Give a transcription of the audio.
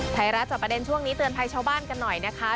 ไทยรัฐจอบประเด็นช่วงนี้เตือนภัยชาวบ้านกันหน่อยนะคะ